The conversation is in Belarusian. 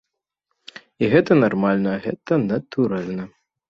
І гэта нармальна, гэта натуральна.